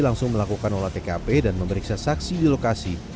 langsung melakukan olah tkp dan memeriksa saksi di lokasi